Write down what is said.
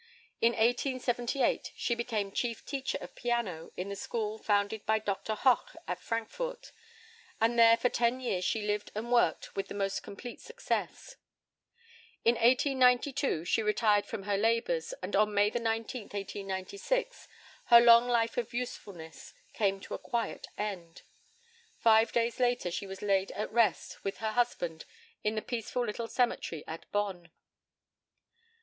In 1878 she became chief teacher of piano in the school founded by Doctor Hoch at Frankfort, and there for ten years she lived and worked with the most complete success. In 1892 she retired from her labours, and on May 19, 1896, her long life of usefulness came to a quiet end. Five days later she was laid at rest with her husband in the peaceful little cemetery at Bonn.